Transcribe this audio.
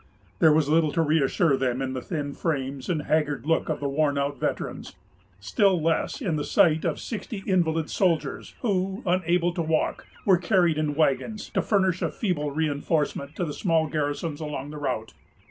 There was little to reassure them in the thin frames and haggard look of the worn out veterans; still less in the sight of sixty invalid soldiers, who, unable to walk, were carried in wagons, to furnish a feeble reinforcement to the small garrisons along the route.